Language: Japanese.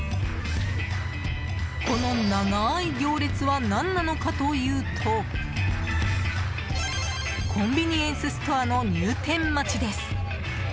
この長い行列は何なのかというとコンビニエンスストアの入店待ちです。